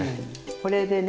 これでね